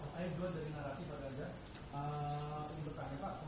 saya juga dari narasi pak raja